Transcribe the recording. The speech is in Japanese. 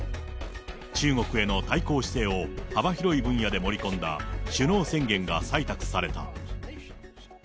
中国への対抗姿勢を幅広い分野で盛り込んだ首脳宣言が採択された。